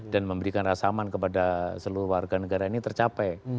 dan memberikan rasaman kepada seluruh warga negara ini tercapai